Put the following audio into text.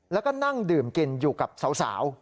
แล้วก็นั่งดื่มกินอยู่กับสาว